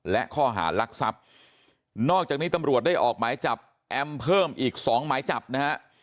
และข้อหารักทรัพย์นอกจากนี้ตำรวจได้ออกหมายจับแอมเพิ่มอีกสองหมายจับนะฮะ